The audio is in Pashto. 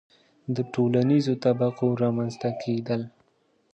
• د ټولنیزو طبقو رامنځته کېدل.